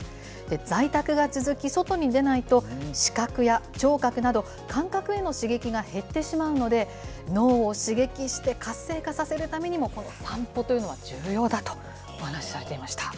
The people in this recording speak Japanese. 在宅が続き、外に出ないと、視覚や聴覚など、感覚への刺激が減ってしまうので、脳を刺激して、活性化させるためにも、この散歩というのは重要だとお話されていました。